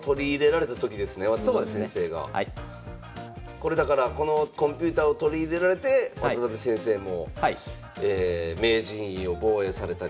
これだからこのコンピューターを取り入れられて渡辺先生も名人位を防衛されたり。